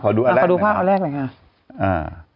ขอดูภาพว่าแรกเลยแค่